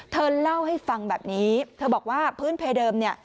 เธอเล่าให้ฟังแบบนี้เธอบอกว่าพื้นเพเดิมเนี่ย